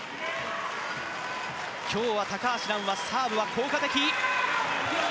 今日は高橋藍はサーブが効果的。